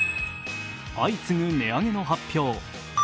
相次ぐ値上げの発表